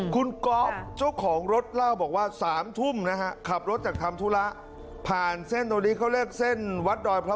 คุณกล้อมเจ้าของรถเล่าบอกว่า๓ทุ่มนะครับขับรถจากคาร์มโทรละ